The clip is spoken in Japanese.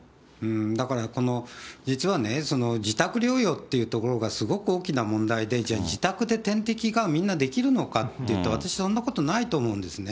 だから、実はね、自宅療養っていうところがすごく大きな問題で、じゃあ自宅で点滴がみんなできるのかっていうと、私、そんなことないと思うんですね。